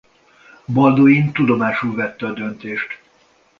Balduin tudomásul vette a döntést.